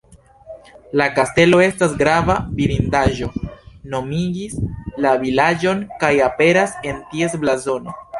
La kastelo estas grava vidindaĵo, nomigis la vilaĝon kaj aperas en ties blazono.